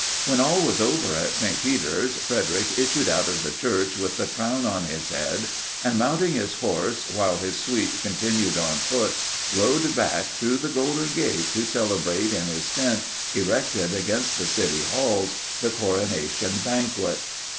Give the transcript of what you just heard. When all was over at St. Peter's, Frederic issued out of the church with the crown on his head, and mounting his horse, while his suite continued on foot, rode back through the' golden gate, to celebrate in his tent, erected against the city walls, the coronation banquet.